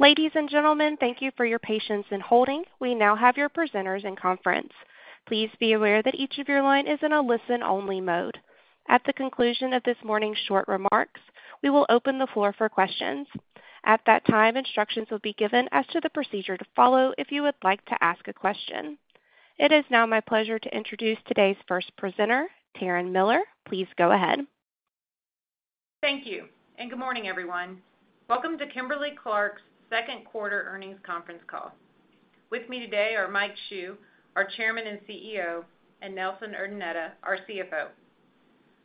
Ladies and gentlemen, thank you for your patience in holding. We now have your presenters in conference. Please be aware that each of your line is in a listen-only mode. At the conclusion of this morning's short remarks, we will open the floor for questions. At that time, instructions will be given as to the procedure to follow if you would like to ask a question. It is now my pleasure to introduce today's first presenter, Taryn Miller. Please go ahead. Thank you, and good morning, everyone. Welcome to Kimberly-Clark's second quarter earnings conference call. With me today are Mike Hsu, our Chairman and CEO, and Nelson Urdaneta, our CFO.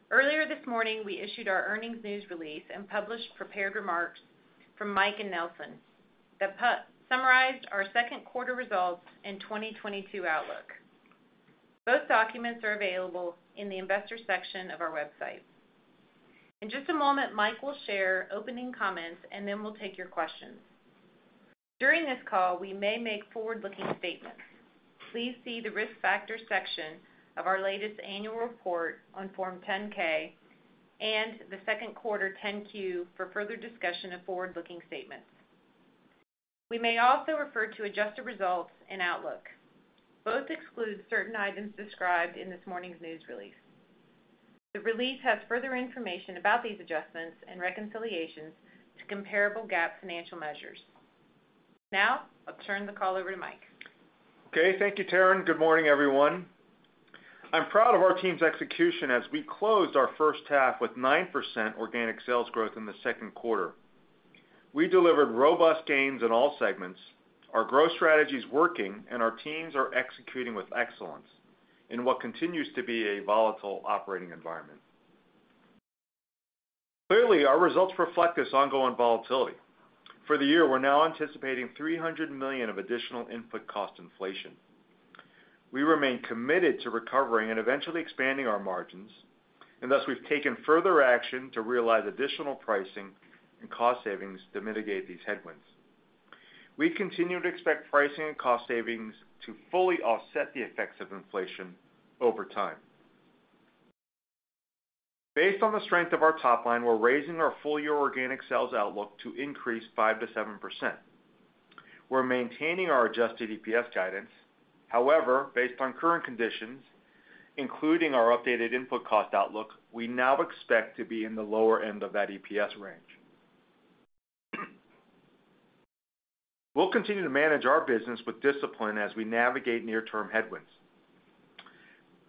Earlier this morning, we issued our earnings news release and published prepared remarks from Mike and Nelson that summarized our second quarter results and 2022 outlook. Both documents are available in the Investors section of our website. In just a moment, Mike will share opening comments, and then we'll take your questions. During this call, we may make forward-looking statements. Please see the Risk Factors section of our latest annual report on Form 10-K and the second quarter 10-Q for further discussion of forward-looking statements. We may also refer to adjusted results and outlook. Both exclude certain items described in this morning's news release. The release has further information about these adjustments and reconciliations to comparable GAAP financial measures. Now, I'll turn the call over to Mike. Okay, thank you, Taryn. Good morning, everyone. I'm proud of our team's execution as we closed our first half with 9% organic sales growth in the second quarter. We delivered robust gains in all segments. Our growth strategy is working, and our teams are executing with excellence in what continues to be a volatile operating environment. Clearly, our results reflect this ongoing volatility. For the year, we're now anticipating $300 million of additional input cost inflation. We remain committed to recovering and eventually expanding our margins, and thus we've taken further action to realize additional pricing and cost savings to mitigate these headwinds. We continue to expect pricing and cost savings to fully offset the effects of inflation over time. Based on the strength of our top line, we're raising our full-year organic sales outlook to increase 5%-7%. We're maintaining our adjusted EPS guidance. However, based on current conditions, including our updated input cost outlook, we now expect to be in the lower end of that EPS range. We'll continue to manage our business with discipline as we navigate near-term headwinds.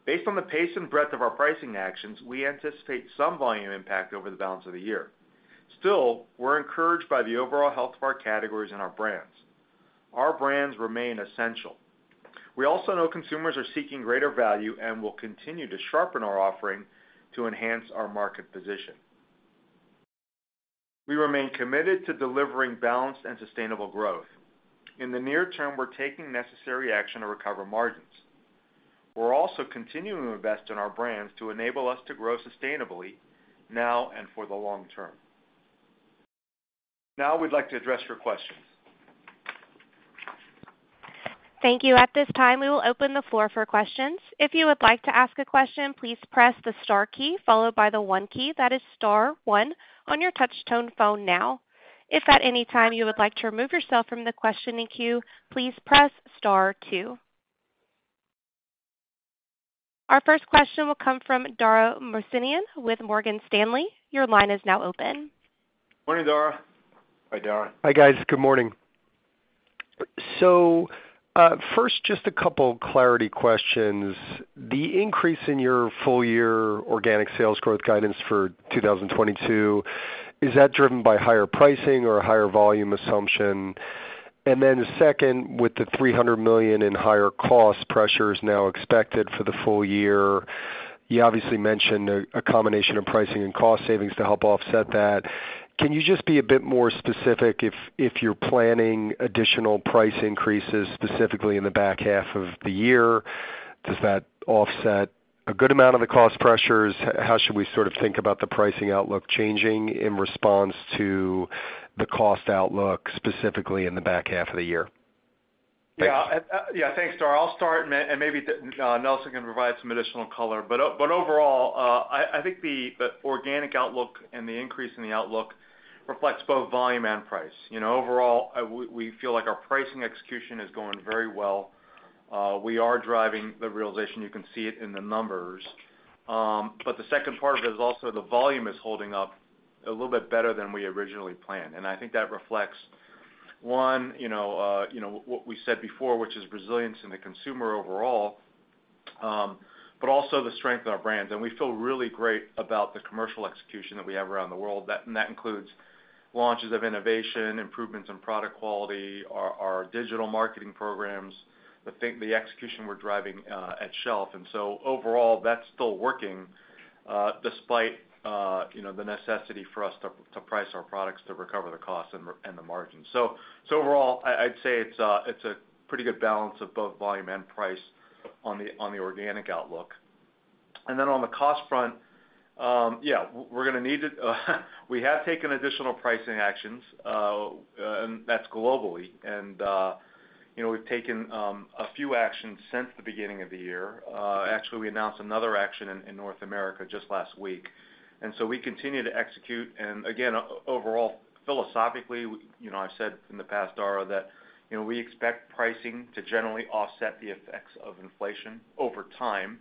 Based on the pace and breadth of our pricing actions, we anticipate some volume impact over the balance of the year. Still, we're encouraged by the overall health of our categories and our brands. Our brands remain essential. We also know consumers are seeking greater value, and we'll continue to sharpen our offering to enhance our market position. We remain committed to delivering balanced and sustainable growth. In the near term, we're taking necessary action to recover margins. We're also continuing to invest in our brands to enable us to grow sustainably now and for the long term. Now, we'd like to address your questions. Thank you. At this time, we will open the floor for questions. If you would like to ask a question, please press the star key followed by the one key. That is star one on your touch tone phone now. If at any time you would like to remove yourself from the questioning queue, please press star two. Our first question will come from Dara Mohsenian with Morgan Stanley. Your line is now open. Morning, Dara. Hi, Dara. Hi, guys. Good morning. First, just a couple clarity questions. The increase in your full year organic sales growth guidance for 2022, is that driven by higher pricing or a higher volume assumption? Second, with the $300 million in higher cost pressures now expected for the full year, you obviously mentioned a combination of pricing and cost savings to help offset that. Can you just be a bit more specific if you're planning additional price increases specifically in the back half of the year? Does that offset a good amount of the cost pressures? How should we sort of think about the pricing outlook changing in response to the cost outlook, specifically in the back half of the year? Yeah. Yeah, thanks, Dara. I'll start and maybe Nelson can provide some additional color. Overall, I think the organic outlook and the increase in the outlook reflects both volume and price. You know, overall, we feel like our pricing execution is going very well. We are driving the realization. You can see it in the numbers. The second part of it is also the volume is holding up a little bit better than we originally planned, and I think that reflects one, you know, what we said before, which is resilience in the consumer overall, but also the strength of our brands. We feel really great about the commercial execution that we have around the world. That includes launches of innovation, improvements in product quality, our digital marketing programs, the execution we're driving at shelf. Overall, that's still working, despite you know, the necessity for us to price our products to recover the cost and the margin. Overall, I'd say it's a pretty good balance of both volume and price on the organic outlook. Then on the cost front, yeah, we're gonna need it. We have taken additional pricing actions, and that's globally. You know, we've taken a few actions since the beginning of the year. Actually, we announced another action in North America just last week. We continue to execute. Again, overall, philosophically, you know, I've said in the past, Dara, that, you know, we expect pricing to generally offset the effects of inflation over time.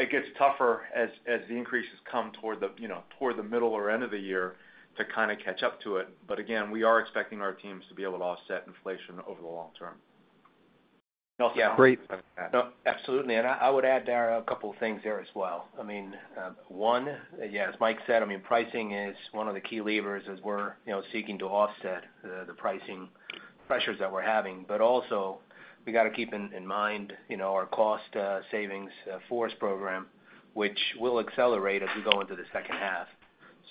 It gets tougher as the increases come toward the middle or end of the year to kinda catch up to it. Again, we are expecting our teams to be able to offset inflation over the long term. Great. Absolutely. I would add, Dara, a couple things there as well. I mean, one, yeah, as Mike said, I mean, pricing is one of the key levers as we're, you know, seeking to offset the pricing pressures that we're having. But also, we gotta keep in mind, you know, our cost savings FORCE program, which will accelerate as we go into the second half.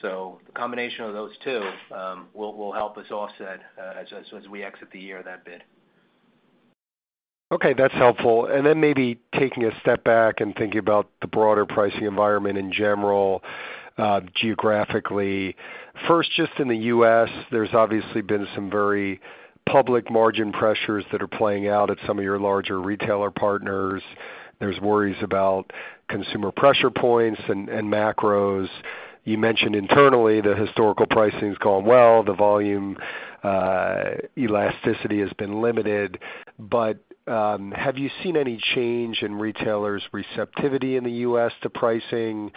The combination of those two will help us offset as we exit the year that bit. Okay, that's helpful. Maybe taking a step back and thinking about the broader pricing environment in general, geographically. First, just in the U.S., there's obviously been some very public margin pressures that are playing out at some of your larger retailer partners. There's worries about consumer pressure points and macros. You mentioned internally the historical pricing's gone well. The volume, elasticity has been limited. Have you seen any change in retailers' receptivity in the U.S. to pricing,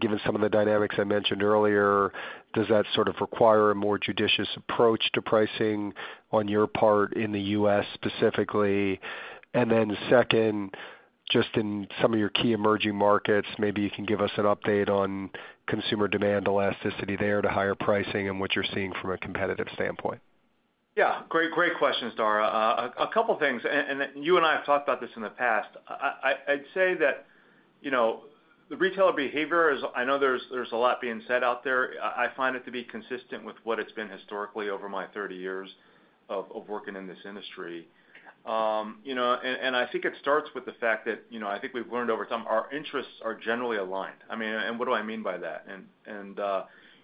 given some of the dynamics I mentioned earlier? Does that sort of require a more judicious approach to pricing on your part in the U.S. specifically? Second, just in some of your key emerging markets, maybe you can give us an update on consumer demand elasticity there to higher pricing and what you're seeing from a competitive standpoint. Yeah. Great questions, Dara. A couple things, and you and I have talked about this in the past. I'd say that, you know, the retailer behavior is. I know there's a lot being said out there. I find it to be consistent with what it's been historically over my 30 years of working in this industry. You know, I think it starts with the fact that, you know, I think we've learned over time our interests are generally aligned. I mean, what do I mean by that?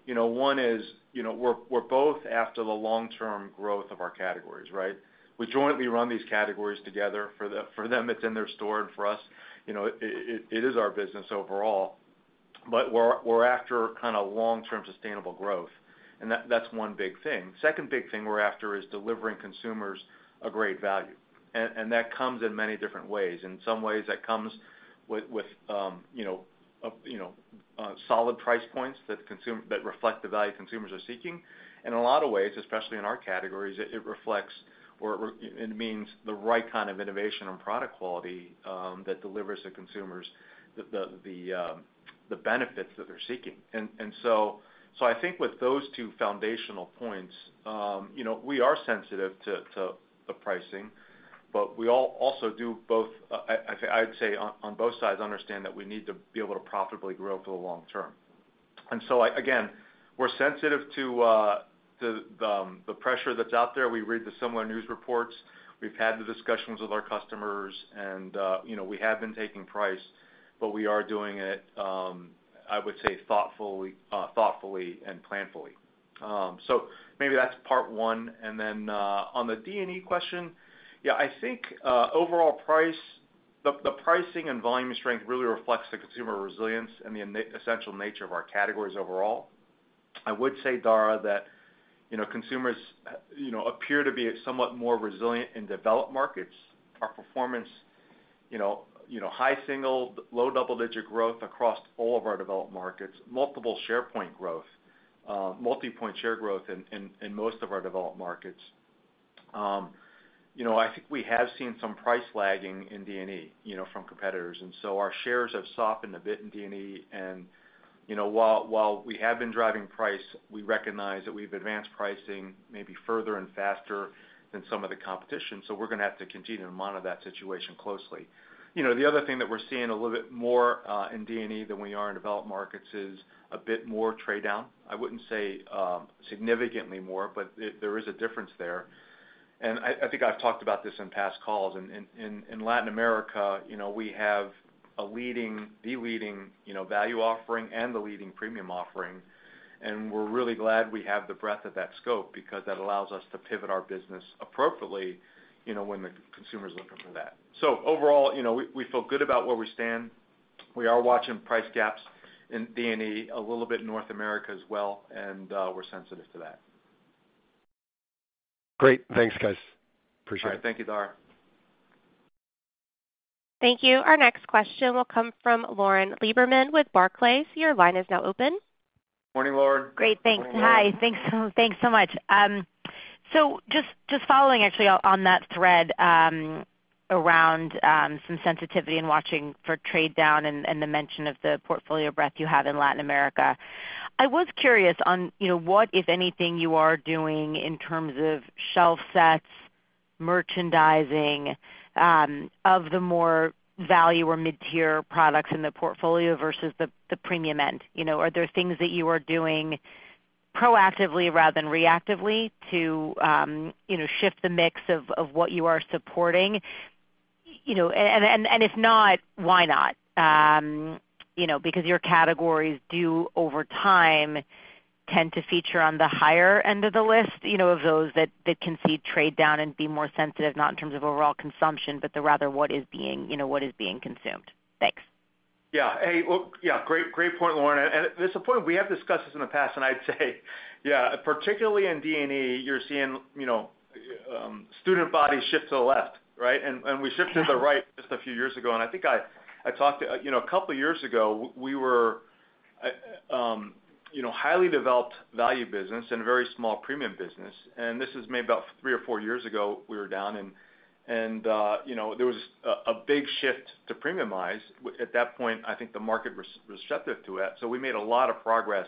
You know, one is, you know, we're both after the long-term growth of our categories, right? We jointly run these categories together. For them, it's in their store. For us, you know, it is our business overall. We're after kinda long-term sustainable growth, and that's one big thing. Second big thing we're after is delivering consumers a great value, and that comes in many different ways. In some ways, that comes with you know, solid price points that reflect the value consumers are seeking. In a lot of ways, especially in our categories, it means the right kind of innovation and product quality that delivers the consumers the benefits that they're seeking. I think with those two foundational points, you know, we are sensitive to pricing, but we also do both, I'd say on both sides understand that we need to be able to profitably grow for the long term. We're sensitive to the pressure that's out there. We read the similar news reports. We've had the discussions with our customers and, you know, we have been taking price, but we are doing it, I would say thoughtfully and planfully. Maybe that's part one. On the D&E question, yeah, I think overall price, the pricing and volume strength really reflects the consumer resilience and the essential nature of our categories overall. I would say, Dara, that, you know, consumers, you know, appear to be somewhat more resilient in developed markets. Our performance, you know, high single-digit, low double-digit growth across all of our developed markets, multiple share point growth, multi-point share growth in most of our developed markets. You know, I think we have seen some price lagging in D&E, you know, from competitors, and so our shares have softened a bit in D&E. You know, while we have been driving price, we recognize that we've advanced pricing maybe further and faster than some of the competition, so we're gonna have to continue to monitor that situation closely. You know, the other thing that we're seeing a little bit more in D&E than we are in developed markets is a bit more trade down. I wouldn't say significantly more, but there is a difference there. I think I've talked about this in past calls. In Latin America, you know, we have the leading value offering and the leading premium offering, and we're really glad we have the breadth of that scope because that allows us to pivot our business appropriately, you know, when the consumer's looking for that. Overall, you know, we feel good about where we stand. We are watching price gaps in D&E, a little bit North America as well, and we're sensitive to that. Great. Thanks, guys. Appreciate it. All right. Thank you, Dara. Thank you. Our next question will come from Lauren Lieberman with Barclays. Your line is now open. Morning, Lauren. Great, thanks. Hi. Thanks. Thanks so much. Just following actually on that thread, around some sensitivity and watching for trade down and the mention of the portfolio breadth you have in Latin America, I was curious on, you know, what, if anything, you are doing in terms of shelf sets, merchandising, of the more value or mid-tier products in the portfolio versus the premium end. You know, are there things that you are doing proactively rather than reactively to, you know, shift the mix of what you are supporting? You know, if not, why not? You know, because your categories do over time tend to feature on the higher end of the list, you know, of those that can see trade down and be more sensitive, not in terms of overall consumption, but rather what is being, you know, what is being consumed. Thanks. Yeah. Hey, well, yeah, great point, Lauren. It's a point we have discussed this in the past, and I'd say yeah, particularly in D&E, you're seeing, you know, student body shift to the left, right? Yeah To the right just a few years ago, and I think I talked to you know, a couple of years ago, we were, you know, highly developed value business and a very small premium business. This is maybe about three or four years ago, we were down and, you know, there was a big shift to premiumize. At that point, I think the market was receptive to it, so we made a lot of progress.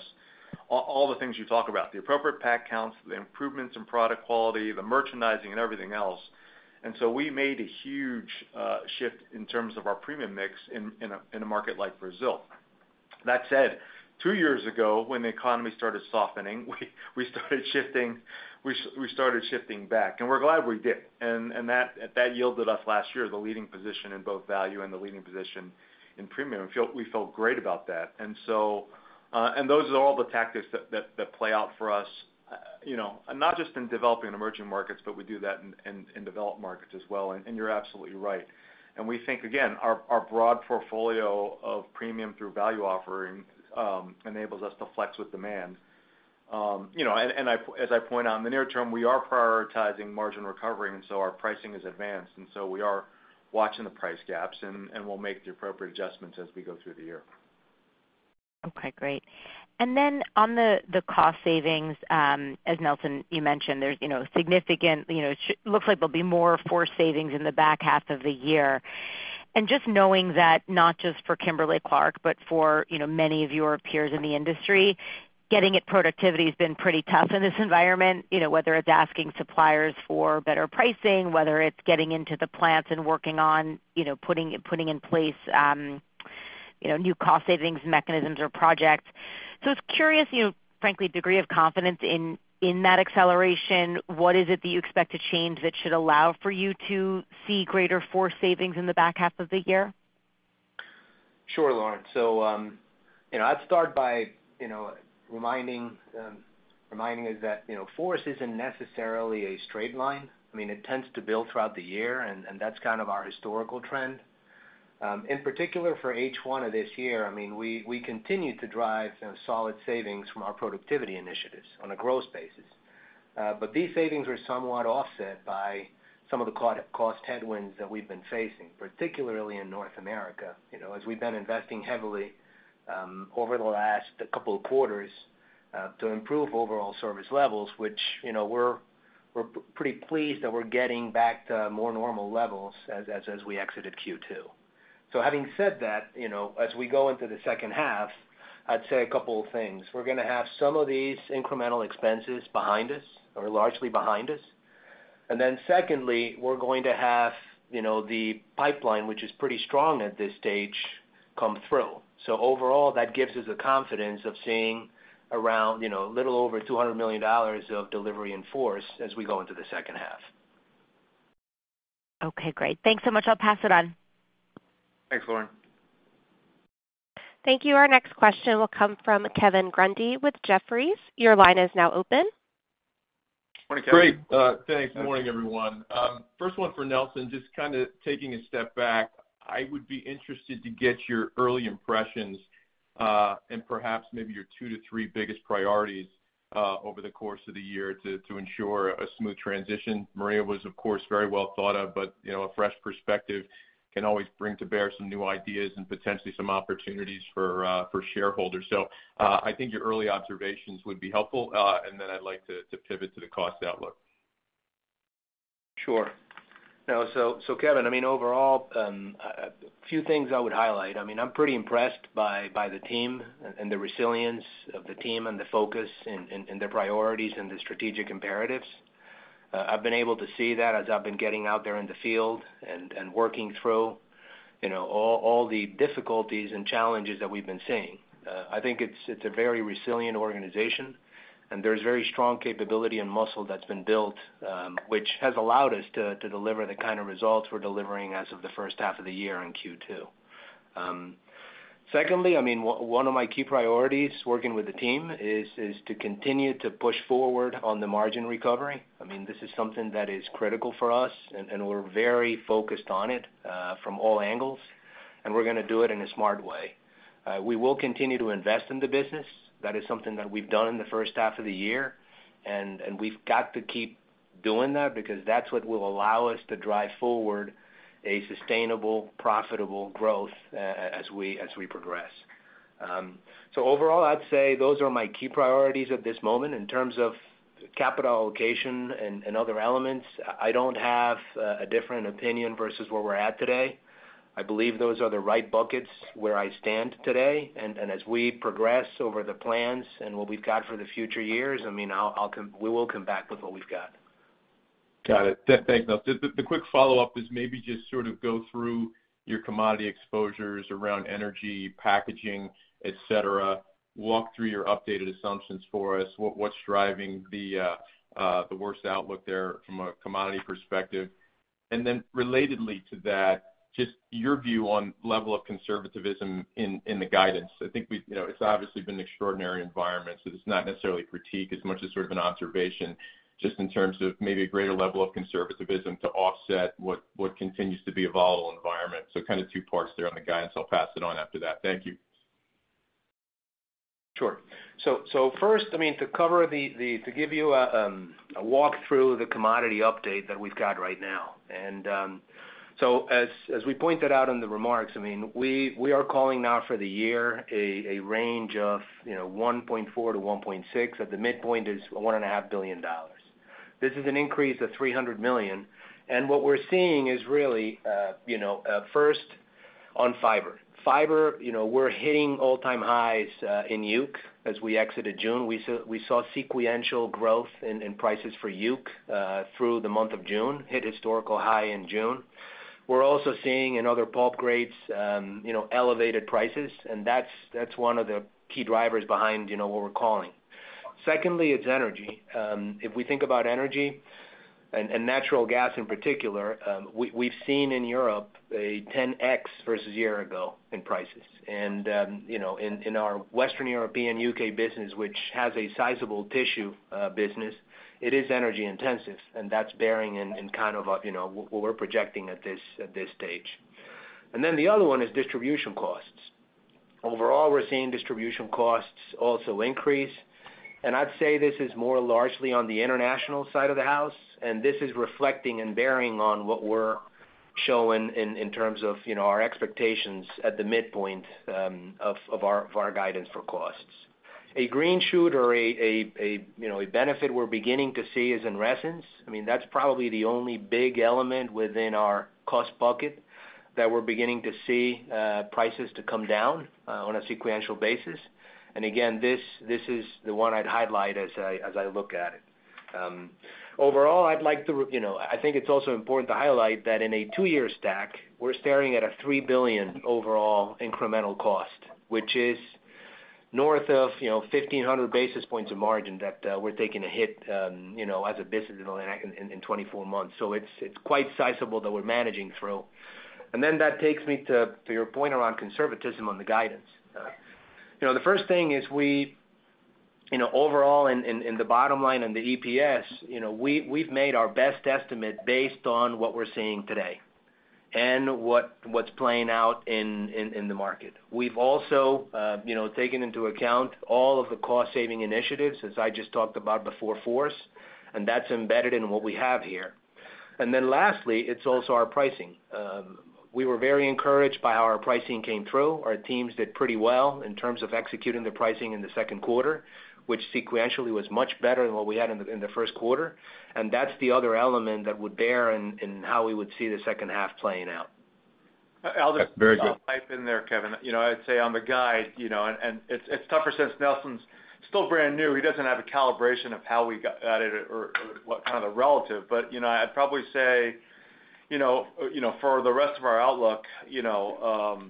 All the things you talk about, the appropriate pack counts, the improvements in product quality, the merchandising and everything else. We made a huge shift in terms of our premium mix in a market like Brazil. That said, two years ago, when the economy started softening, we started shifting back, and we're glad we did. That yielded us last year the leading position in both value and the leading position in premium. We felt great about that. Those are all the tactics that play out for us, you know, not just in developing emerging markets, but we do that in developed markets as well. You're absolutely right. We think, again, our broad portfolio of premium through value offering enables us to flex with demand. You know, I, as I point out in the near term, we are prioritizing margin recovery, and so our pricing is advanced, and so we are watching the price gaps and we'll make the appropriate adjustments as we go through the year. Okay, great. Then on the cost savings, as Nelson, you mentioned, there's you know, significant, you know, looks like there'll be more FORCE savings in the back half of the year. Just knowing that not just for Kimberly-Clark, but for you know, many of your peers in the industry, getting at productivity has been pretty tough in this environment, you know, whether it's asking suppliers for better pricing, whether it's getting into the plants and working on you know, putting in place you know, new cost savings mechanisms or projects. I was curious, you know, frankly, degree of confidence in that acceleration, what is it that you expect to change that should allow for you to see greater FORCE savings in the back half of the year? Sure, Lauren. You know, I'd start by, you know, reminding us that, you know, FORCE isn't necessarily a straight line. I mean, it tends to build throughout the year, and that's kind of our historical trend. In particular for H1 of this year, I mean, we continue to drive, you know, solid savings from our productivity initiatives on a growth basis. But these savings were somewhat offset by some of the cost headwinds that we've been facing, particularly in North America, you know, as we've been investing heavily over the last couple of quarters to improve overall service levels, which, you know, we're pretty pleased that we're getting back to more normal levels as we exited Q2. Having said that, you know, as we go into the second half, I'd say a couple of things. We're gonna have some of these incremental expenses behind us or largely behind us. Then secondly, we're going to have, you know, the pipeline, which is pretty strong at this stage, come through. Overall, that gives us the confidence of seeing around, you know, a little over $200 million of delivery in FORCE as we go into the second half. Okay, great. Thanks so much. I'll pass it on. Thanks, Lauren. Thank you. Our next question will come from Kevin Grundy with Jefferies. Your line is now open. Morning, Kevin. Great. Thanks. Morning, everyone. First one for Nelson, just kind of taking a step back, I would be interested to get your early impressions, and perhaps maybe your two to three biggest priorities, over the course of the year to ensure a smooth transition. Maria was, of course, very well thought of, but, you know, a fresh perspective can always bring to bear some new ideas and potentially some opportunities for shareholders. I think your early observations would be helpful, and then I'd like to pivot to the cost outlook. Sure. No, Kevin, I mean, overall, a few things I would highlight. I mean, I'm pretty impressed by the team and the resilience of the team and the focus and their priorities and the strategic imperatives. I've been able to see that as I've been getting out there in the field and working through, you know, all the difficulties and challenges that we've been seeing. I think it's a very resilient organization, and there's very strong capability and muscle that's been built, which has allowed us to deliver the kind of results we're delivering as of the first half of the year in Q2. Secondly, I mean, one of my key priorities working with the team is to continue to push forward on the margin recovery. I mean, this is something that is critical for us, and we're very focused on it, from all angles, and we're gonna do it in a smart way. We will continue to invest in the business. That is something that we've done in the first half of the year, and we've got to keep doing that because that's what will allow us to drive forward a sustainable, profitable growth as we progress. Overall, I'd say those are my key priorities at this moment. In terms of capital allocation and other elements, I don't have a different opinion versus where we're at today. I believe those are the right buckets where I stand today. As we progress over the plans and what we've got for the future years, I mean, we will come back with what we've got. Got it. Thanks, Nelson. The quick follow-up is maybe just sort of go through your commodity exposures around energy, packaging, et cetera. Walk through your updated assumptions for us. What's driving the worst outlook there from a commodity perspective? Relatedly to that, just your view on level of conservatism in the guidance. I think we've. You know, it's obviously been extraordinary environment, so it's not necessarily a critique as much as sort of an observation, just in terms of maybe a greater level of conservatism to offset what continues to be a volatile environment. Kind of two parts there on the guidance. I'll pass it on after that. Thank you. Sure. First, I mean, to give you a walkthrough of the commodity update that we've got right now. As we pointed out in the remarks, I mean, we are calling now for the year a range of, you know, $1.4 billion-$1.6 billion, at the midpoint $1.5 billion. This is an increase of $300 million. What we're seeing is really, you know, first on fiber. Fiber, you know, we're hitting all-time highs in euc as we exited June. We saw sequential growth in prices for euc through the month of June, hit historical high in June. We're also seeing in other pulp grades, you know, elevated prices, and that's one of the key drivers behind, you know, what we're calling. Secondly, it's energy. If we think about energy and natural gas in particular, we've seen in Europe a 10x versus a year ago in prices. You know, in our Western European U.K. business, which has a sizable tissue business, it is energy intensive, and that's bearing in kind of a, you know, what we're projecting at this stage. Then the other one is distribution costs. Overall, we're seeing distribution costs also increase. I'd say this is more largely on the international side of the house, and this is reflecting and bearing on what we're showing in terms of, you know, our expectations at the midpoint of our guidance for costs. A green shoot or a benefit we're beginning to see is in resins. I mean, that's probably the only big element within our cost bucket that we're beginning to see prices to come down on a sequential basis. This is the one I'd highlight as I look at it. Overall, I'd like to, you know, I think it's also important to highlight that in a two-year stack, we're staring at a $3 billion overall incremental cost, which is north of, you know, 1,500 basis points of margin that we're taking a hit, you know, as a business in 24 months. It's quite sizable that we're managing through. Then that takes me to your point around conservatism on the guidance. You know, the first thing is You know, overall in the bottom line, in the EPS, you know, we've made our best estimate based on what we're seeing today and what's playing out in the market. We've also, you know, taken into account all of the cost-saving initiatives, as I just talked about, the four F's, and that's embedded in what we have here. Then lastly, it's also our pricing. We were very encouraged by how our pricing came through. Our teams did pretty well in terms of executing the pricing in the second quarter, which sequentially was much better than what we had in the first quarter. That's the other element that would bear in on how we would see the second half playing out. Very good. I'll just pipe in there, Kevin. You know, I'd say on the guide, you know, and it's tougher since Nelson's still brand new. He doesn't have a calibration of how we got at it or what kind of the relative. You know, I'd probably say, you know, for the rest of our outlook, you know,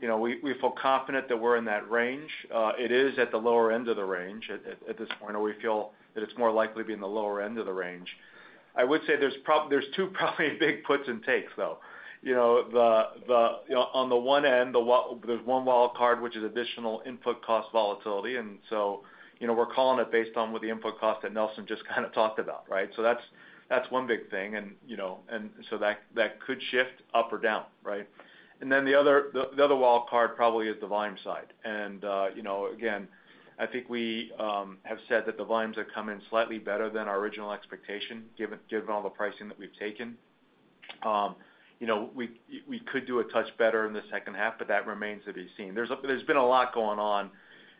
we feel confident that we're in that range. It is at the lower end of the range at this point, or we feel that it's more likely to be in the lower end of the range. I would say there's two probably big puts and takes, though. You know, on the one end, there's one wildcard, which is additional input cost volatility. You know, we're calling it based on what the input cost that Nelson just kind of talked about, right? That's one big thing. You know, that could shift up or down, right? Then the other wildcard probably is the volume side. You know, again, I think we have said that the volumes have come in slightly better than our original expectation, given all the pricing that we've taken. You know, we could do a touch better in the second half, but that remains to be seen. There's been a lot going on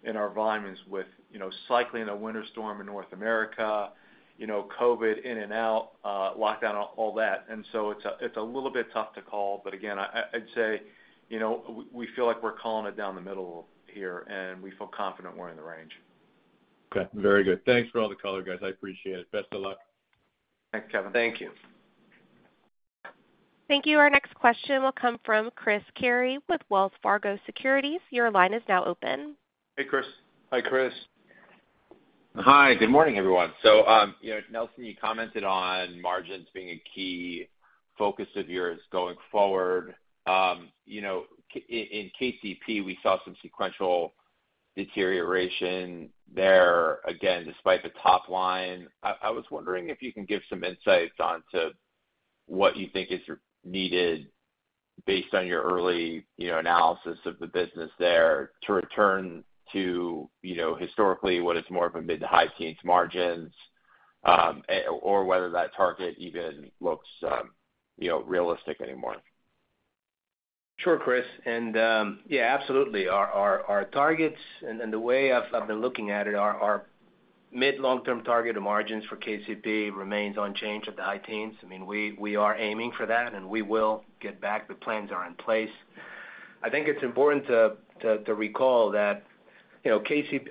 in our volumes with you know, cycling a winter storm in North America, you know, COVID in and out, lockdown, all that. It's a little bit tough to call. Again, I'd say, you know, we feel like we're calling it down the middle here, and we feel confident we're in the range. Okay, very good. Thanks for all the color, guys. I appreciate it. Best of luck. Thanks, Kevin. Thank you. Thank you. Our next question will come from Chris Carey with Wells Fargo Securities. Your line is now open. Hey, Chris. Hi, Chris. Hi, good morning, everyone. You know, Nelson, you commented on margins being a key focus of yours going forward. You know, in KCP, we saw some sequential deterioration there, again, despite the top line. I was wondering if you can give some insights into what you think is needed based on your early, you know, analysis of the business there to return to, you know, historically, what is more of a mid to high teens margins, or whether that target even looks, you know, realistic anymore. Sure, Chris. Yeah, absolutely. Our targets and the way I've been looking at it, our mid long-term target of margins for KCP remains unchanged at the high teens. I mean, we are aiming for that, and we will get back. The plans are in place. I think it's important to recall that, you know,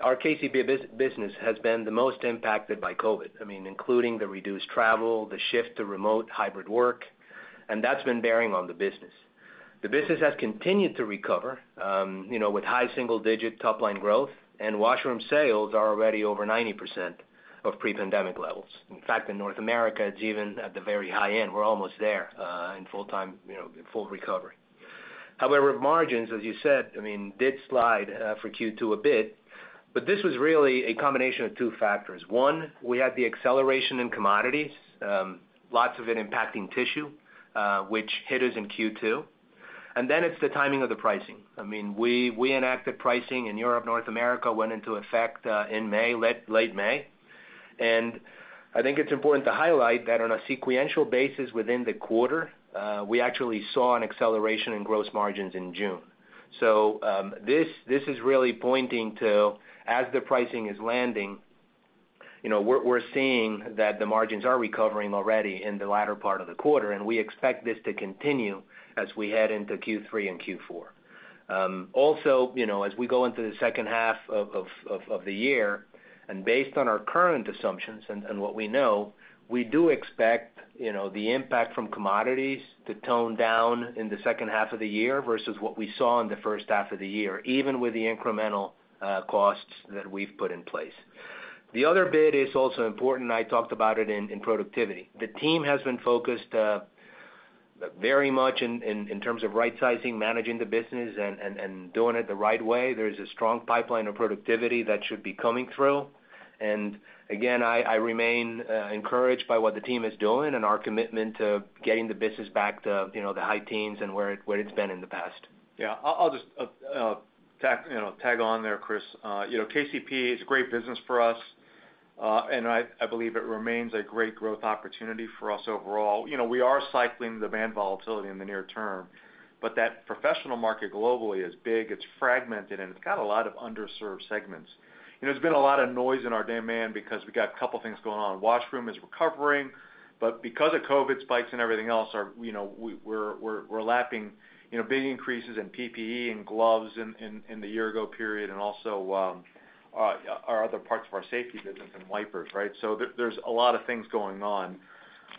our KCP business has been the most impacted by COVID. I mean, including the reduced travel, the shift to remote hybrid work, and that's been bearing on the business. The business has continued to recover, you know, with high single-digit top-line growth, and washroom sales are already over 90% of pre-pandemic levels. In fact, in North America, it's even at the very high end. We're almost there in full-time, you know, full recovery. However, margins, as you said, I mean, did slide for Q2 a bit, but this was really a combination of two factors. One, we had the acceleration in commodities, lots of it impacting tissue, which hit us in Q2. It's the timing of the pricing. I mean, we enacted pricing in Europe. North America went into effect in May, late May. I think it's important to highlight that on a sequential basis within the quarter, we actually saw an acceleration in gross margins in June. This is really pointing to as the pricing is landing, you know, we're seeing that the margins are recovering already in the latter part of the quarter, and we expect this to continue as we head into Q3 and Q4. Also, you know, as we go into the second half of the year, and based on our current assumptions and what we know, we do expect, you know, the impact from commodities to tone down in the second half of the year versus what we saw in the first half of the year, even with the incremental costs that we've put in place. The other bit is also important, and I talked about it in productivity. The team has been focused very much in terms of rightsizing, managing the business and doing it the right way. There's a strong pipeline of productivity that should be coming through. Again, I remain encouraged by what the team is doing and our commitment to getting the business back to, you know, the high teens and where it's been in the past. Yeah. I'll just, you know, tag on there, Chris. You know, KCP is a great business for us, and I believe it remains a great growth opportunity for us overall. You know, we are cycling the demand volatility in the near term, but that professional market globally is big, it's fragmented, and it's got a lot of underserved segments. You know, there's been a lot of noise in our demand because we got a couple things going on. Washroom is recovering, but because of COVID spikes and everything else, our you know we're lapping, you know, big increases in PPE and gloves in the year ago period and also our other parts of our safety business and wipers, right? There's a lot of things going on.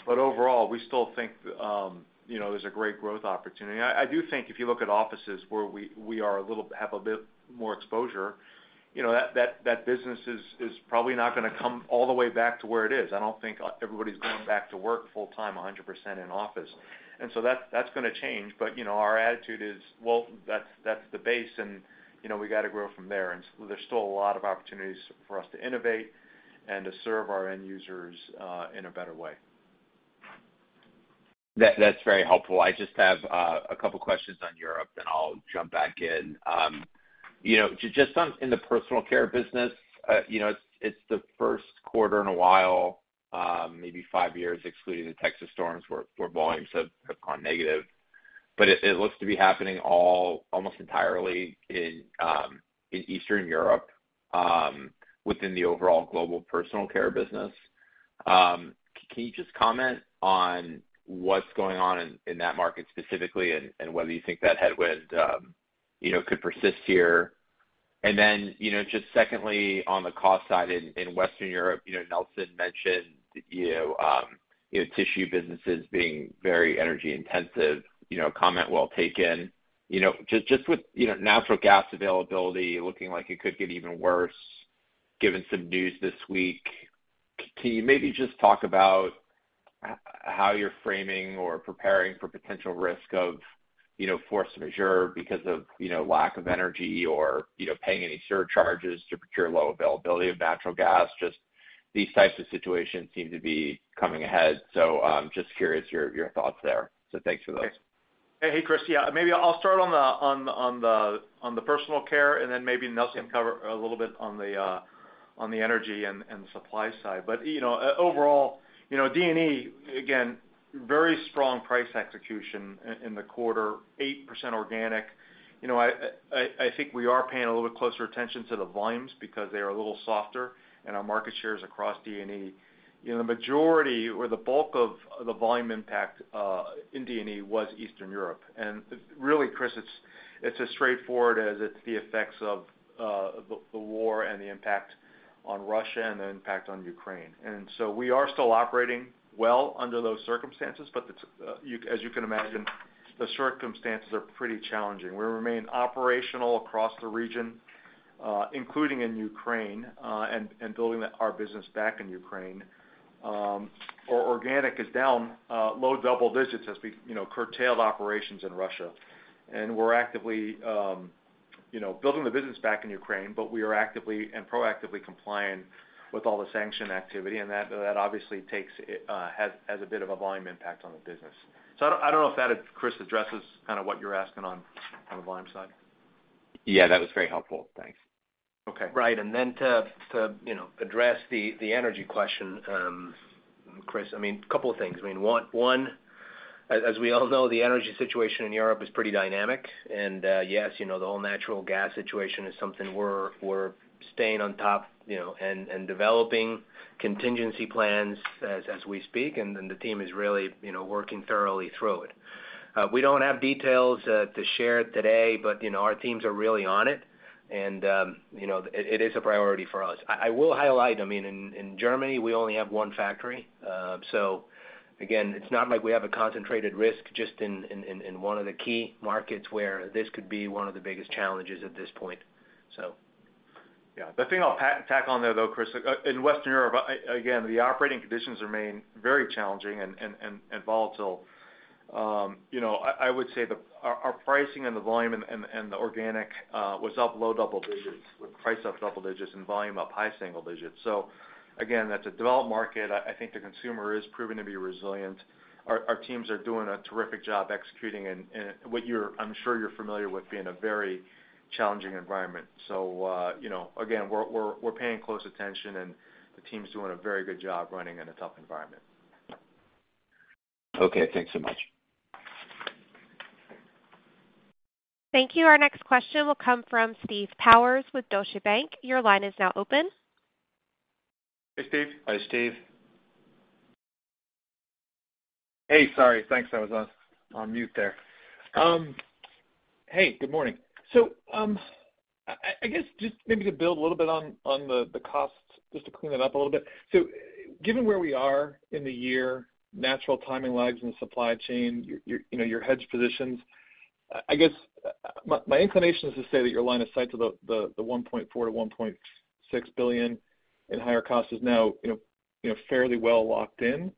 Overall, we still think, you know, there's a great growth opportunity. I do think if you look at offices where we have a bit more exposure, you know, that business is probably not gonna come all the way back to where it is. I don't think everybody's going back to work full-time, 100% in office. That's gonna change. You know, our attitude is, well, that's the base and, you know, we gotta grow from there. There's still a lot of opportunities for us to innovate and to serve our end users in a better way. That's very helpful. I just have a couple questions on Europe, then I'll jump back in. You know, just in the personal care business, you know, it's the first quarter in a while, maybe five years, excluding the Texas storms, where volumes have gone negative. It looks to be happening almost entirely in Eastern Europe, within the overall global personal care business. Can you just comment on what's going on in that market specifically and whether you think that headwind, you know, could persist here? Then, you know, just secondly, on the cost side in Western Europe, you know, Nelson mentioned, you know, you know, tissue businesses being very energy intensive, you know, comment well taken. You know, just with, you know, natural gas availability looking like it could get even worse given some news this week, can you maybe just talk about how you're framing or preparing for potential risk of, you know, force majeure because of, you know, lack of energy or, you know, paying any surcharges to procure low availability of natural gas? Just these types of situations seem to be coming ahead. Just curious your thoughts there. Thanks for those. Okay. Hey, Chris. Yeah. Maybe I'll start on the personal care and then maybe Nelson can cover a little bit on the energy and the supply side. You know, overall, you know, D&E, again, very strong price execution in the quarter, 8% organic. You know, I think we are paying a little bit closer attention to the volumes because they are a little softer and our market shares across D&E. You know, the majority or the bulk of the volume impact in D&E was Eastern Europe. Really, Chris, it's as straightforward as it's the effects of the war and the impact on Russia and the impact on Ukraine. We are still operating well under those circumstances, but as you can imagine, the circumstances are pretty challenging. We remain operational across the region, including in Ukraine, and building our business back in Ukraine. Our organic is down low double-digits as we, you know, curtailed operations in Russia. We're actively, you know, building the business back in Ukraine, but we are actively and proactively compliant with all the sanctions activity. That obviously has a bit of a volume impact on the business. I don't know if that, Chris, addresses kind of what you're asking on the volume side. Yeah, that was very helpful. Thanks. Okay. Right. Then to you know address the energy question, Chris, I mean couple of things. I mean one as we all know the energy situation in Europe is pretty dynamic. Yes you know the whole natural gas situation is something we're staying on top you know and developing contingency plans as we speak. Then the team is really you know working thoroughly through it. We don't have details to share today but you know our teams are really on it. You know it is a priority for us. I will highlight I mean in Germany we only have one factory. Again, it's not like we have a concentrated risk just in one of the key markets where this could be one of the biggest challenges at this point. Yeah. The thing I'll tack on there though, Chris, in Western Europe, again, the operating conditions remain very challenging and volatile. You know, I would say our pricing and the volume and the organic was up low double digits, with price up double digits and volume up high single digits. So again, that's a developed market. I think the consumer is proving to be resilient. Our teams are doing a terrific job executing and I'm sure you're familiar with being a very challenging environment. You know, again, we're paying close attention and the team's doing a very good job running in a tough environment. Okay. Thanks so much. Thank you. Our next question will come from Steve Powers with Deutsche Bank. Your line is now open. Hey, Steve. Hi, Steve. Hey, sorry. Thanks. I was on mute there. Hey, good morning. I guess just maybe to build a little bit on the costs, just to clean it up a little bit. Given where we are in the year, natural timing lags in the supply chain, your you know your hedge positions, I guess my inclination is to say that your line of sight to the $1.4 billion-$1.6 billion in higher costs is now you know fairly well locked in.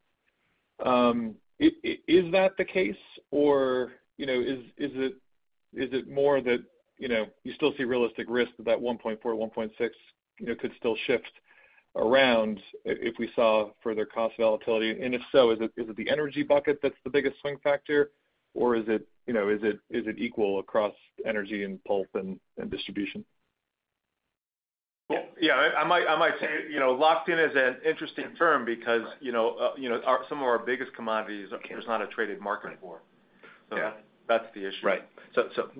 Is that the case or you know is it more that you know you still see realistic risk that that $1.4 billion-$1.6 billion you know could still shift around if we saw further cost volatility? If so, is it the energy bucket that's the biggest swing factor or is it, you know, equal across energy and pulp and distribution? Yeah. I might say, you know, locked in is an interesting term because, you know, you know, some of our biggest commodities there's not a traded market for. Okay. That's the issue. Right.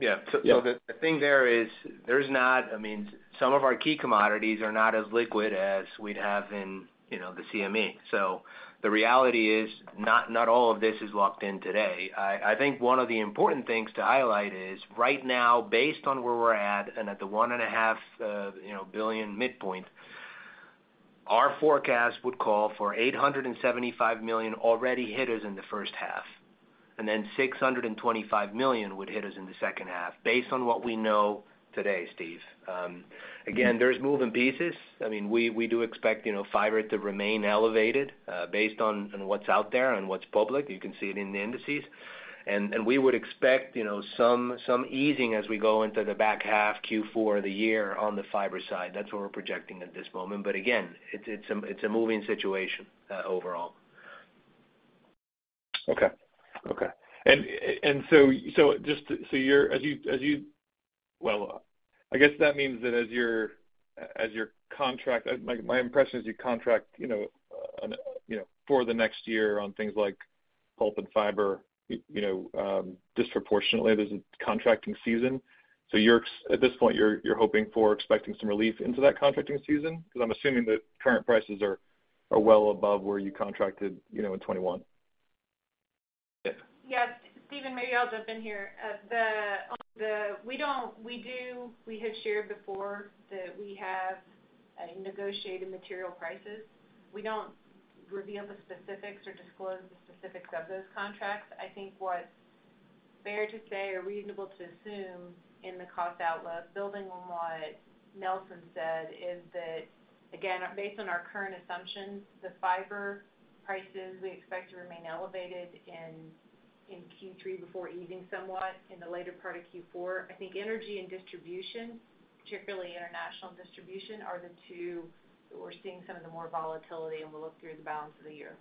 Yeah. The thing there is, I mean, some of our key commodities are not as liquid as we'd have in, you know, the CME. The reality is not all of this is locked in today. I think one of the important things to highlight is right now based on where we're at and at the $1.5 billion midpoint, our forecast would call for $875 million already hit us in the first half, and then $625 million would hit us in the second half based on what we know today, Steve. Again, there's moving pieces. I mean, we do expect, you know, fiber to remain elevated based on what's out there and what's public. You can see it in the indices. We would expect, you know, some easing as we go into the back half Q4 of the year on the fiber side. That's what we're projecting at this moment. Again, it's a moving situation, overall. Well, I guess that means that my impression is you contract, you know, for the next year on things like pulp and fiber, you know, disproportionately, there's a contracting season. At this point, you're hoping or expecting some relief into that contracting season? Because I'm assuming that current prices are well above where you contracted, you know, in 2021. Yeah, Steve, maybe I'll jump in here. We have shared before that we have negotiated material prices. We don't reveal the specifics or disclose the specifics of those contracts. I think what's fair to say or reasonable to assume in the cost outlook, building on what Nelson said, is that, again, based on our current assumptions, the fiber prices we expect to remain elevated in Q3 before easing somewhat in the later part of Q4. I think energy and distribution, particularly international distribution, are the two that we're seeing some of the more volatility and will look through the balance of the year.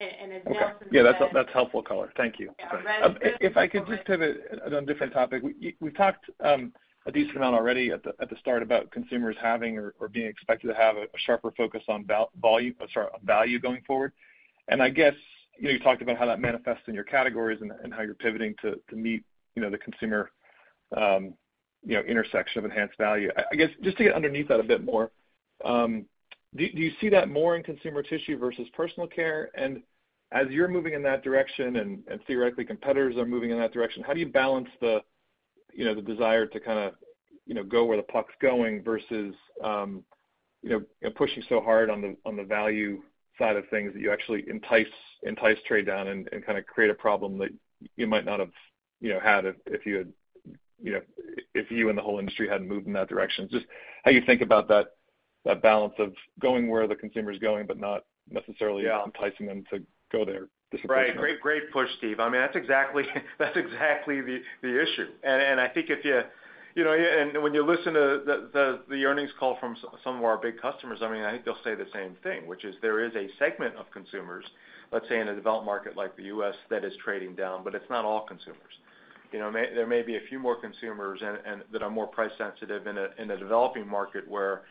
As Nelson said. Okay. Yeah, that's helpful color. Thank you. Yeah. If I could just pivot on a different topic. We've talked a decent amount already at the start about consumers having or being expected to have a sharper focus on value going forward. I guess, you know, you talked about how that manifests in your categories and how you're pivoting to meet, you know, the consumer, you know, intersection of enhanced value. I guess just to get underneath that a bit more, do you see that more in consumer tissue versus personal care? As you're moving in that direction and theoretically competitors are moving in that direction, how do you balance the, you know, the desire to kinda, you know, go where the puck's going versus, you know, you're pushing so hard on the value side of things that you actually entice trade down and kinda create a problem that you might not have had if you had, you know, if you and the whole industry hadn't moved in that direction? Just how you think about that balance of going where the consumer's going, but not necessarily- Yeah Enticing them to go there disproportionately. Right. Great push, Steve. I mean, that's exactly the issue. I think if you know when you listen to the earnings call from some of our big customers, I mean, I think they'll say the same thing, which is there is a segment of consumers, let's say in a developed market like the U.S., that is trading down, but it's not all consumers. You know, there may be a few more consumers and that are more price sensitive in a developing market where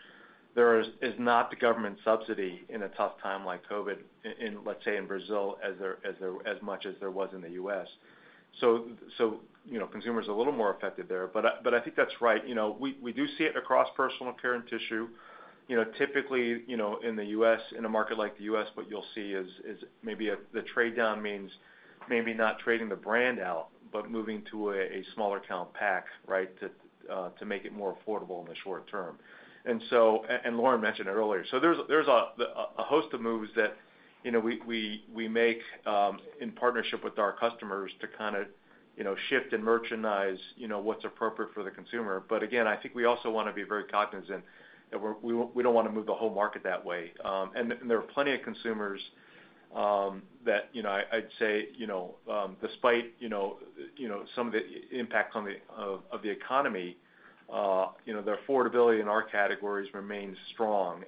there is not the government subsidy in a tough time like COVID in, let's say, in Brazil as much as there was in the U.S. You know, consumers are a little more affected there. I think that's right. You know, we do see it across personal care and tissue. You know, typically, you know, in the U.S., in a market like the U.S., what you'll see is maybe the trade down means maybe not trading the brand out, but moving to a smaller count pack, right, to make it more affordable in the short term. Lauren mentioned it earlier. There's a host of moves that, you know, we make in partnership with our customers to kind of, you know, shift and merchandise, you know, what's appropriate for the consumer. Again, I think we also wanna be very cognizant that we don't wanna move the whole market that way. There are plenty of consumers, that, you know, I'd say, you know, despite, you know, some of the impact of the economy, you know, the affordability in our categories remains strong.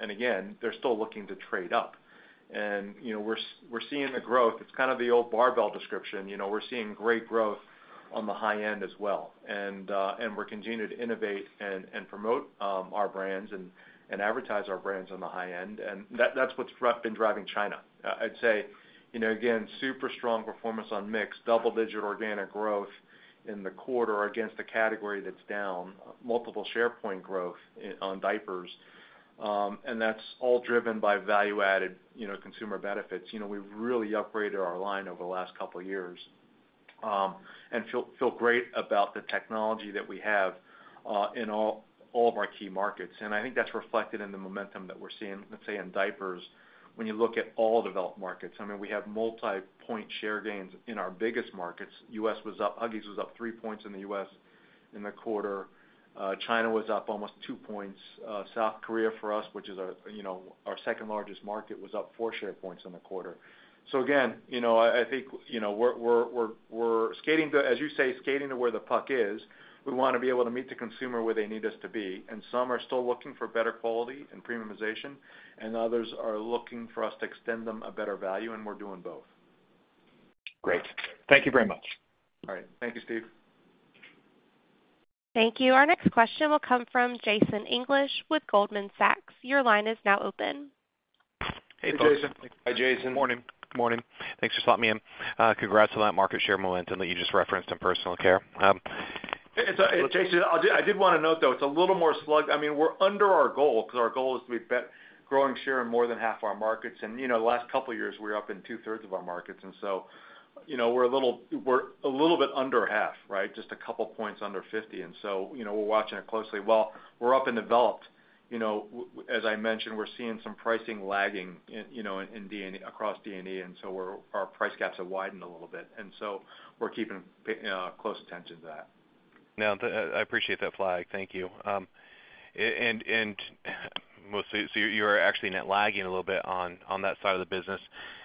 Again, they're still looking to trade up. You know, we're seeing the growth. It's kind of the old barbell description, you know. We're seeing great growth on the high end as well. We're continuing to innovate and promote our brands and advertise our brands on the high end. That's what's been driving China. I'd say, you know, again, super strong performance on mix, double digit organic growth in the quarter against a category that's down, multiple share point growth on diapers. That's all driven by value-added, you know, consumer benefits. You know, we've really upgraded our line over the last couple years, and feel great about the technology that we have in all of our key markets. I think that's reflected in the momentum that we're seeing, let's say, in diapers, when you look at all developed markets. I mean, we have multipoint share gains in our biggest markets. U.S. was up, Huggies was up three points in the U.S. in the quarter. China was up almost two points. South Korea for us, which is our, you know, our second largest market, was up four share points in the quarter. Again, you know, I think, you know, we're skating to, as you say, skating to where the puck is. We wanna be able to meet the consumer where they need us to be, and some are still looking for better quality and premiumization, and others are looking for us to extend them a better value, and we're doing both. Great. Thank you very much. All right. Thank you, Steve. Thank you. Our next question will come from Jason English with Goldman Sachs. Your line is now open. Hey, Jason. Hey, Jason. Morning. Good morning. Thanks for slotting me in. Congrats on that market share momentum that you just referenced in personal care. Jason, I did wanna note, though, it's a little more sluggish. I mean, we're under our goal 'cause our goal is to be growing share in more than half our markets. You know, the last couple years, we were up in two-thirds of our markets. So, you know, we're a little bit under half, right? Just a couple points under 50. You know, we're watching it closely. While we're up in developed, you know, as I mentioned, we're seeing some pricing lagging in, you know, in D, across D&E, and so our price gaps have widened a little bit. So we're keeping close attention to that. No, I appreciate that flag. Thank you. Well, you're actually net lagging a little bit on that side of the business.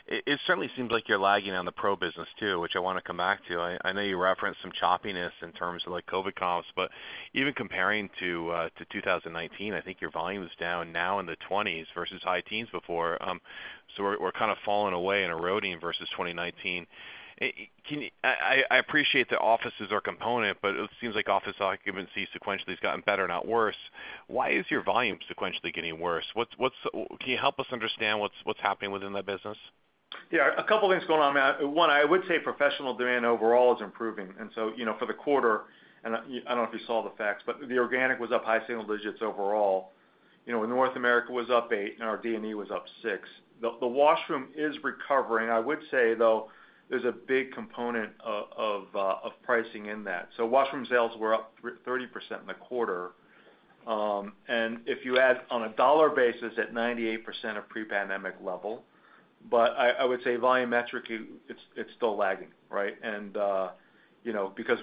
It certainly seems like you're lagging on the pro business too, which I wanna come back to. I know you referenced some choppiness in terms of like COVID comps, but even comparing to 2019, I think your volume is down now in the 20s versus high teens before. We're kinda falling away and eroding versus 2019. I appreciate the offices are a component, but it seems like office occupancy sequentially has gotten better, not worse. Why is your volume sequentially getting worse? Can you help us understand what's happening within that business? Yeah, a couple things going on, man. One, I would say professional demand overall is improving. You know, for the quarter, I don't know if you saw the facts, but the organic was up high single digits overall. You know, North America was up 8%, and our D&E was up 6%. The washroom is recovering. I would say, though, there's a big component of pricing in that. Washroom sales were up 30% in the quarter. If you add on a dollar basis, at 98% of pre-pandemic level. I would say volumetrically, it's still lagging, right? You know, because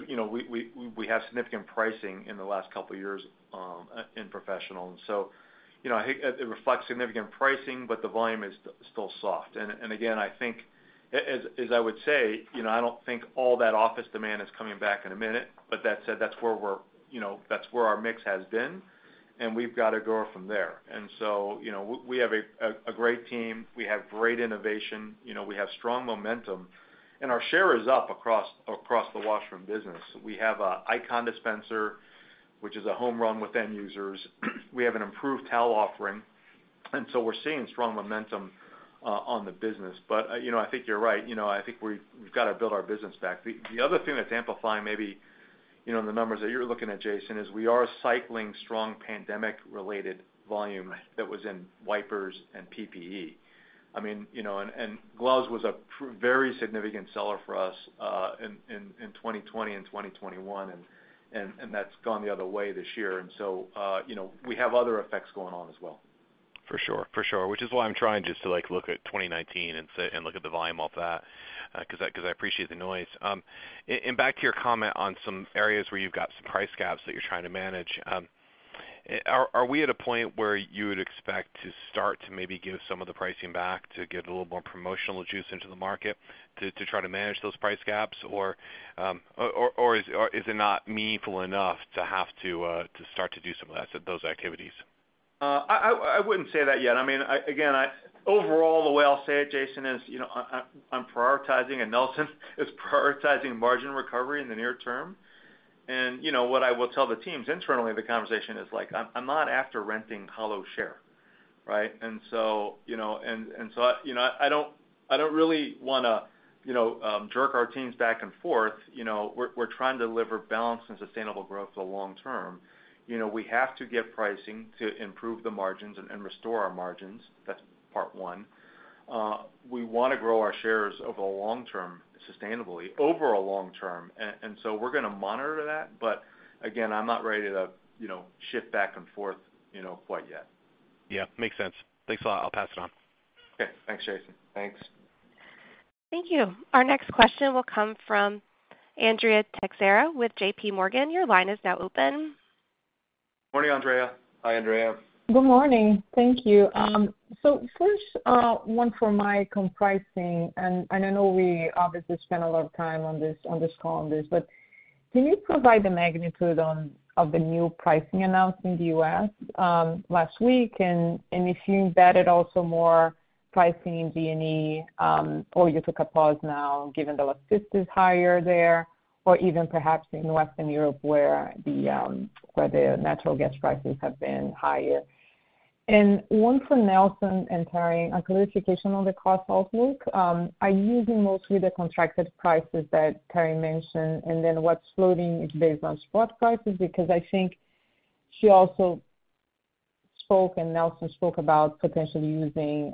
we had significant pricing in the last couple years in professional. You know, I think it reflects significant pricing, but the volume is still soft. Again, I think as I would say, you know, I don't think all that office demand is coming back in a minute, but that said, that's where our mix has been, and we've gotta grow from there. You know, we have a great team. We have great innovation. You know, we have strong momentum, and our share is up across the washroom business. We have an ICON dispenser, which is a home run with end users. We have an improved towel offering, and so we're seeing strong momentum on the business. You know, I think you're right. You know, I think we've gotta build our business back. The other thing that's amplifying maybe, you know, in the numbers that you're looking at, Jason, is we are cycling strong pandemic-related volume that was in wipers and PPE. I mean, you know, and gloves was a very significant seller for us, in 2020 and 2021, and that's gone the other way this year. You know, we have other effects going on as well. For sure. Which is why I'm trying just to, like, look at 2019 and look at the volume off that, 'cause I appreciate the noise. Back to your comment on some areas where you've got some price gaps that you're trying to manage, are we at a point where you would expect to start to maybe give some of the pricing back to get a little more promotional juice into the market to try to manage those price gaps? Or, is it not meaningful enough to have to start to do some of that, so those activities? I wouldn't say that yet. I mean, again, overall, the way I'll say it, Jason, is, you know, I'm prioritizing and Nelson is prioritizing margin recovery in the near term. You know, what I will tell the teams internally, the conversation is like, I'm not after running hollow share. Right? You know, I don't really wanna, you know, jerk our teams back and forth, you know. We're trying to deliver balanced and sustainable growth for the long term. You know, we have to get pricing to improve the margins and restore our margins. That's part one. We wanna grow our shares over the long term sustainably, over a long term. We're gonna monitor that, but again, I'm not ready to, you know, shift back and forth, you know, quite yet. Yeah, makes sense. Thanks a lot. I'll pass it on. Okay. Thanks, Jason. Thanks. Thank you. Our next question will come from Andrea Teixeira with JPMorgan. Your line is now open. Morning, Andrea. Hi, Andrea. Good morning. Thank you. First, one for Mike on pricing, and I know we obviously spent a lot of time on this call. Can you provide the magnitude of the new pricing announced in the U.S. last week? And if you embedded also more pricing in D&E, or you took a pause now given the last fifth is higher there, or even perhaps in Western Europe where the natural gas prices have been higher. One for Nelson and Taryn, a clarification on the cost outlook. Are you using mostly the contracted prices that Taryn mentioned, and then what's floating is based on spot prices? Because I think she also spoke and Nelson spoke about potentially using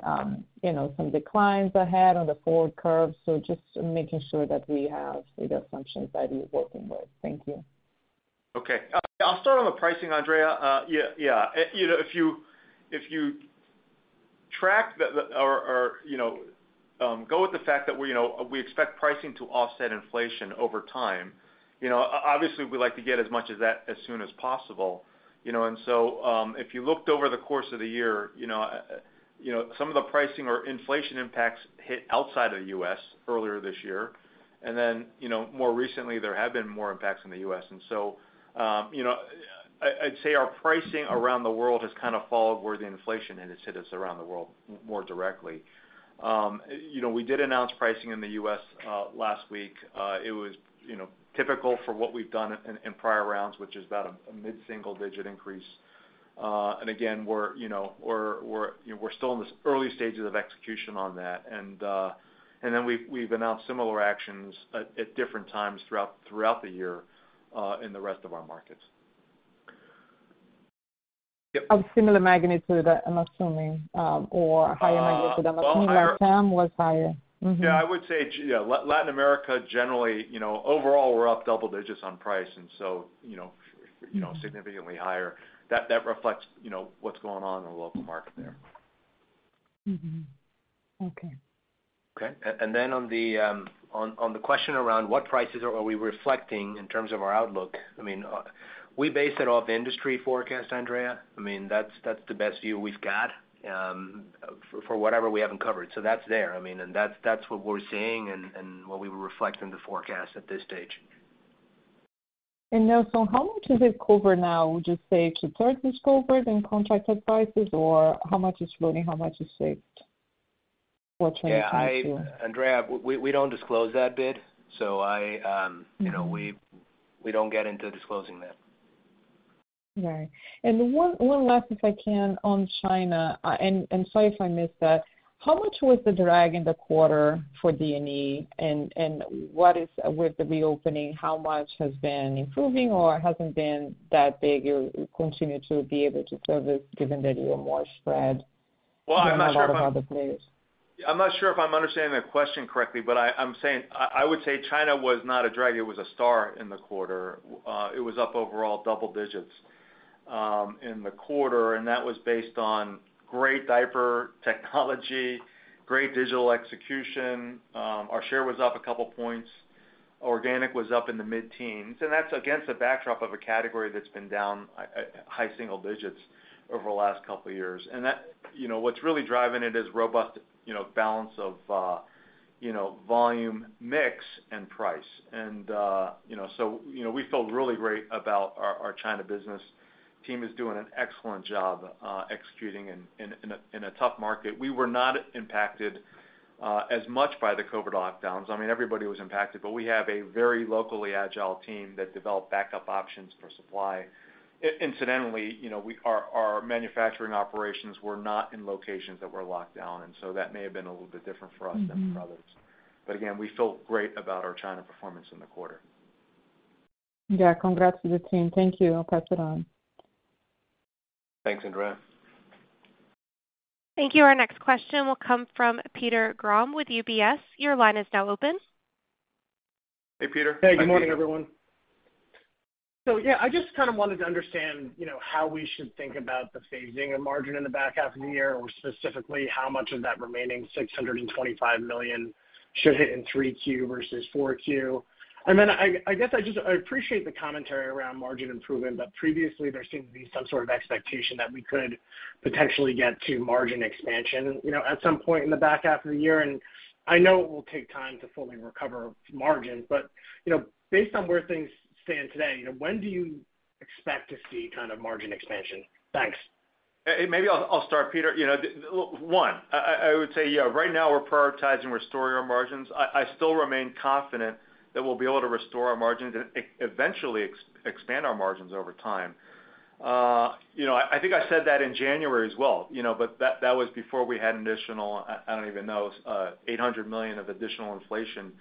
you know some declines ahead on the forward curve. Just making sure that we have the assumptions that we're working with. Thank you. Okay. I'll start on the pricing, Andrea. Yeah, yeah. You know, if you track the fact that we expect pricing to offset inflation over time, you know, obviously, we like to get as much as that as soon as possible, you know. If you looked over the course of the year, you know, some of the pricing or inflation impacts hit outside of the U.S. earlier this year. Then, more recently, there have been more impacts in the U.S. You know, I'd say our pricing around the world has kind of followed where the inflation index hit us around the world more directly. You know, we did announce pricing in the U.S. last week. It was, you know, typical for what we've done in prior rounds, which is about a mid-single digit increase. Again, you know, we're still in the early stages of execution on that. We've announced similar actions at different times throughout the year in the rest of our markets. Yep. Of similar magnitude, I'm assuming, or higher magnitude, I'm assuming like LatAm was higher. Yeah, I would say Latin America generally, you know, overall we're up double digits on price and so, you know, significantly higher. That reflects, you know, what's going on in the local market there. Mm-hmm. Okay. Okay. On the question around what prices are we reflecting in terms of our outlook, I mean, we base it off industry forecast, Andrea. I mean, that's the best view we've got, for whatever we haven't covered. That's there, I mean, and that's what we're seeing and what we reflect in the forecast at this stage. Nelson, how much is it covered now? Would you say two-thirds is covered in contracted prices or how much is floating, how much is saved for 2022? Yeah, Andrea, we don't disclose that bit, so you know, we don't get into disclosing that. All right. One last, if I can, on China, and sorry if I missed that. How much was the drag in the quarter for D&E? And with the reopening, how much has been improving or hasn't been that big? You continue to be able to service given that you are more spread than a lot of other players? Well, I'm not sure if I'm understanding the question correctly, but I'm saying I would say China was not a drag, it was a star in the quarter. It was up overall double digits in the quarter, and that was based on great diaper technology, great digital execution. Our share was up a couple points. Organic was up in the mid-teens, and that's against the backdrop of a category that's been down high single digits over the last couple years. And that, you know, what's really driving it is robust, you know, balance of volume mix and price. And, you know, we feel really great about our China business. Team is doing an excellent job executing in a tough market. We were not impacted as much by the COVID lockdowns. I mean, everybody was impacted, but we have a very locally agile team that developed backup options for supply. Incidentally, you know, our manufacturing operations were not in locations that were locked down, and so that may have been a little bit different for us than for others. Again, we feel great about our China performance in the quarter. Yeah. Congrats to the team. Thank you. I'll pass it on. Thanks, Andrea. Thank you. Our next question will come from Peter Grom with UBS. Your line is now open. Hey, Peter. Hey, good morning, everyone. Yeah, I just kind of wanted to understand, you know, how we should think about the phasing of margin in the back half of the year, or specifically, how much of that remaining $625 million should hit in 3Q versus 4Q. I guess I appreciate the commentary around margin improvement, but previously there seemed to be some sort of expectation that we could potentially get to margin expansion, you know, at some point in the back half of the year. I know it will take time to fully recover margins, but, you know, based on where things stand today, you know, when do you expect to see kind of margin expansion? Thanks. Maybe I'll start, Peter. One, I would say, yeah, right now we're prioritizing restoring our margins. I still remain confident that we'll be able to restore our margins and eventually expand our margins over time. You know, I think I said that in January as well, you know, but that was before we had additional, I don't even know, $800 million of additional inflation,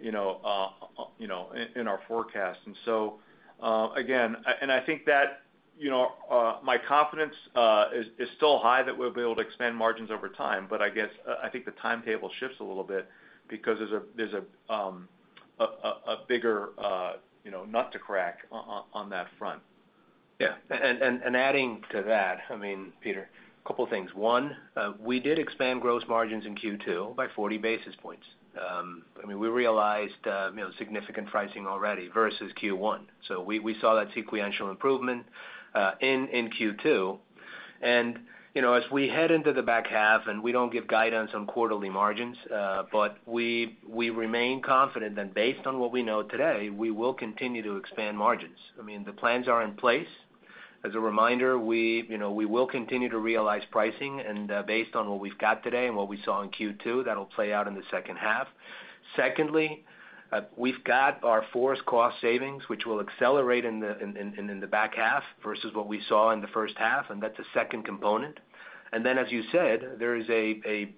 you know, you know, in our forecast. Again, and I think that, you know, my confidence is still high that we'll be able to expand margins over time, but I guess, I think the timetable shifts a little bit because there's a bigger, you know, nut to crack on that front. Yeah. Adding to that, I mean, Peter, a couple things. One, we did expand gross margins in Q2 by 40 basis points. I mean, we realized, you know, significant pricing already versus Q1. We saw that sequential improvement in Q2. You know, as we head into the back half, we don't give guidance on quarterly margins, but we remain confident that based on what we know today, we will continue to expand margins. I mean, the plans are in place. As a reminder, you know, we will continue to realize pricing, based on what we've got today and what we saw in Q2, that'll play out in the second half. Secondly, we've got our FORCE cost savings, which will accelerate in the back half versus what we saw in the first half, and that's a second component. As you said, there is a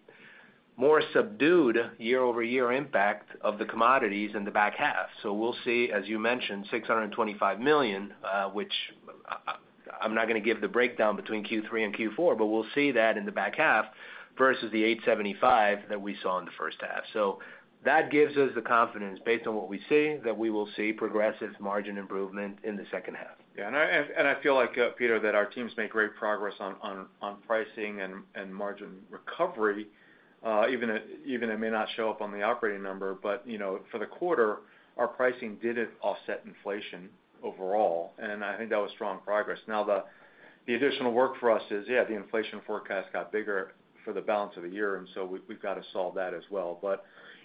more subdued year-over-year impact of the commodities in the back half. We'll see, as you mentioned, $625 million, which I'm not gonna give the breakdown between Q3 and Q4, but we'll see that in the back half versus the $875 million that we saw in the first half. That gives us the confidence based on what we see, that we will see progressive margin improvement in the second half. Yeah. I feel like, Peter, that our team's made great progress on pricing and margin recovery, even if it may not show up on the operating number. You know, for the quarter, our pricing didn't offset inflation overall, and I think that was strong progress. Now the additional work for us is, yeah, the inflation forecast got bigger for the balance of the year, and so we've got to solve that as well.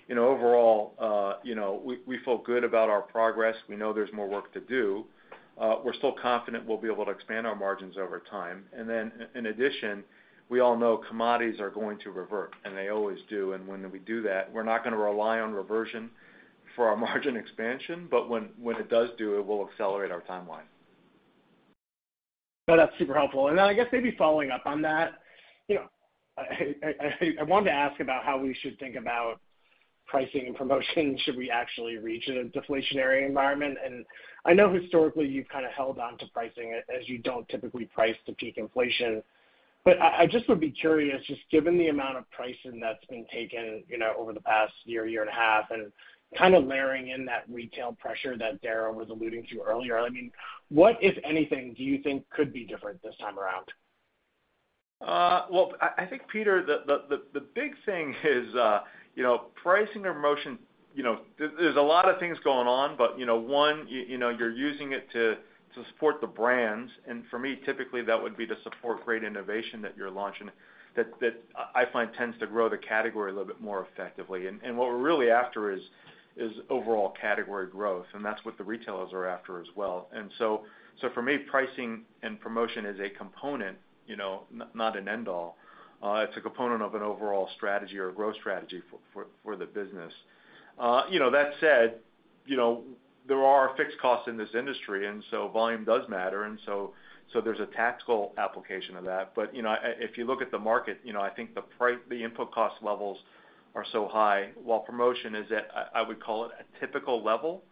You know, overall, you know, we feel good about our progress. We know there's more work to do. We're still confident we'll be able to expand our margins over time. In addition, we all know commodities are going to revert, and they always do. When we do that, we're not gonna rely on reversion for our margin expansion, but when it does do, it will accelerate our timeline. No, that's super helpful. Then I guess maybe following up on that, you know, I wanted to ask about how we should think about pricing and promotion should we actually reach a deflationary environment. I know historically you've kind of held on to pricing as you don't typically price to peak inflation. I just would be curious, just given the amount of pricing that's been taken, you know, over the past year and a half, and kind of layering in that retail pressure that Dara was alluding to earlier, I mean, what, if anything, do you think could be different this time around? Well, I think, Peter, the big thing is, you know, pricing or promotion, you know, there's a lot of things going on, but you know, you know, you're using it to support the brands, and for me, typically, that would be to support great innovation that you're launching that I find tends to grow the category a little bit more effectively. What we're really after is overall category growth, and that's what the retailers are after as well. For me, pricing and promotion is a component, you know, not an end all. It's a component of an overall strategy or growth strategy for the business. You know, that said, you know, there are fixed costs in this industry, and so volume does matter. There's a tactical application of that. You know, if you look at the market, you know, I think the input cost levels are so high, while promotion is at, I would call it, a typical level.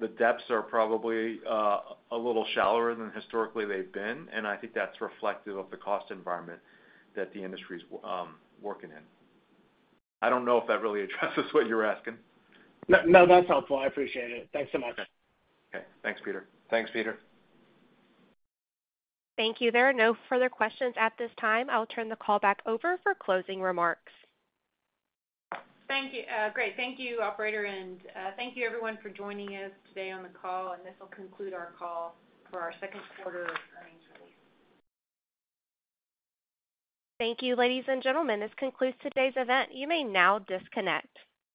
The depths are probably a little shallower than historically they've been, and I think that's reflective of the cost environment that the industry's working in. I don't know if that really addresses what you're asking. No, that's helpful. I appreciate it. Thanks so much. Okay. Thanks, Peter. Thanks, Peter. Thank you. There are no further questions at this time. I'll turn the call back over for closing remarks. Thank you. Great. Thank you, operator, and thank you everyone for joining us today on the call. This will conclude our call for our second quarter earnings release. Thank you, ladies and gentlemen. This concludes today's event. You may now disconnect.